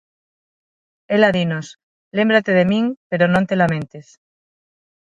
Ela dinos: lémbrate de min, pero non te lamentes.